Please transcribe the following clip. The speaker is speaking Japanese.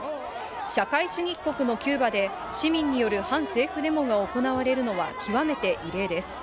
社会主義国のキューバで、市民による反政府デモが行われるのは、極めて異例です。